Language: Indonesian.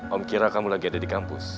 om kira kamu lagi ada di kampus